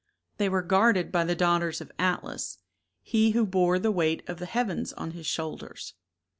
They were guarded by the daughters of Atlas, he who bore the weight of the heavens on his shoulders.